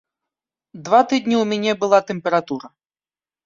Два тыдні ў мяне была тэмпература.